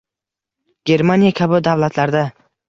Germaniya kabi davlatlarda